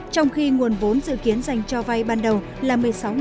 trong khi nguồn vốn dự kiến dành cho vay ban đầu là một mươi sáu